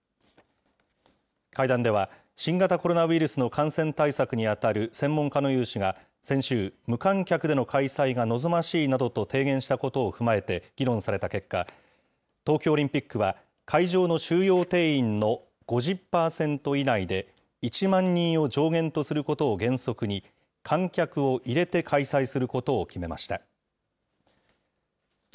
会談では、新型コロナウイルスの感染対策に当たる専門家の有志が、先週、無観客での開催が望ましいなどと提言したことを踏まえて議論された結果、東京オリンピックは、会場の収容定員の５０％以内で、１万人を上限とすることを原則に、観客を入れて開催することを決めました。